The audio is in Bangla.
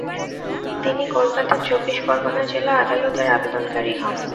তিনি কলকাতার চব্বিশ পরগনা জেলা আদালতের আবেদনকারী হন।